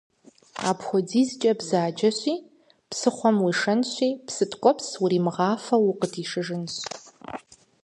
Апхуэдизкӏэ бзаджэщи, псыхъуэм уишэнщи псы ткӏуэпс уримыгъафэу укъыдишыжынщ.